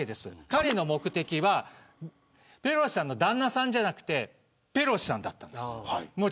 彼の目的はペロシさんの旦那さんじゃなくてペロシさんだったんです。